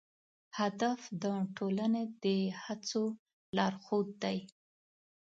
هدف د ټولنې د هڅو لارښود دی.